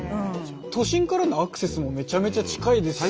都心からのアクセスもめちゃめちゃ近いですし。